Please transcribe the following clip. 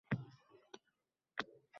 Hatto «ura-urachilik» ham kerak emas